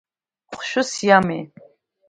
Хәшәыс иамеи?